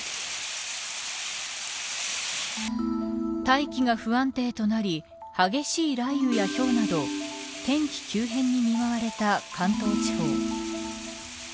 大気が不安定となり激しい雷雨やひょうなど天気急変に見舞われた関東地方。